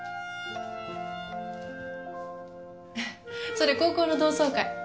それ高校の同窓会。